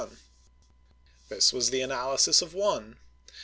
This was the analysis of one.